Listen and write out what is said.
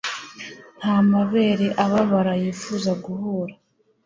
nta mabere ababara yifuza guhura